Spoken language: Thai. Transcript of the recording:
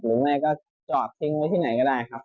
แม่ก็จอดทิ้งไว้ที่ไหนก็ได้ครับ